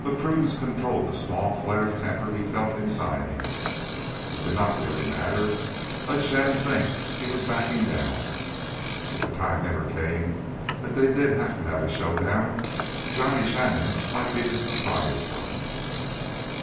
But prudence controlled the small flare of temper he felt inside him. It did not really matter. Let Shannon think he was backing down. If the time ever came that they did have to have a showdown, Johnny Shannon might be the surprised one.